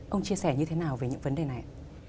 ông chia sẻ như thế nào về những vấn đề này ạ